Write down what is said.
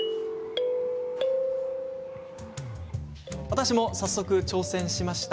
私も早速、挑戦しました。